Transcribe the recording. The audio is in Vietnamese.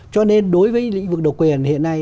cho nên đối với lĩnh vực độc quyền hiện nay